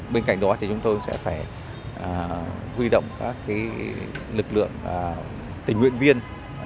bên cạnh đó thì chúng tôi sẽ phải huy động các lực lượng tình nguyện viên